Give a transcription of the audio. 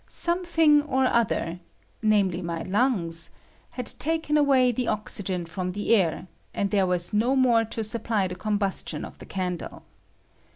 Something or other — namely, my lungs — had taken away the oxygen from the air, and there was no more to supply the combustion of the candle.